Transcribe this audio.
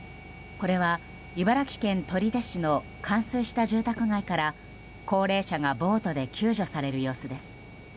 これは、茨城県取手市の冠水した住宅街から高齢者がボートで救助される様子です。